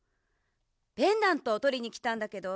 ペンダントをとりにきたんだけど。